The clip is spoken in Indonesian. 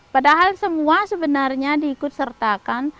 padahal semua sebenarnya diikut sertakan